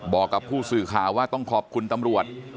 บอกกับผู้สื่อข่าวว่าต้องขอบคุณตำรวจ